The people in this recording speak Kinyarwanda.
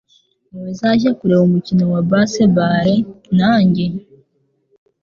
Ntuzajya kureba umukino wa baseball nanjye?